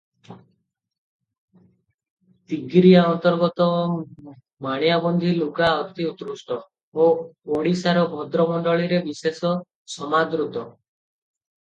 ତିଗିରିଆ ଅନ୍ତର୍ଗତ ମାଣିଆବନ୍ଦୀ ଲୁଗା ଅତି ଉତ୍କଷ୍ଟ ଓ ଓଡ଼ିଶାର ଭଦ୍ରମଣ୍ଡଳୀରେ ବିଶେଷ ସମାଦୃତ ।